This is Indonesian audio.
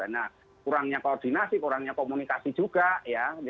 nah kurangnya koordinasi kurangnya komunikasi juga ya